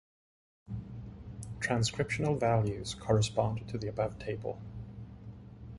Transcriptional values correspond to the above table.